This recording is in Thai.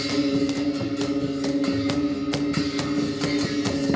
สวัสดีสวัสดี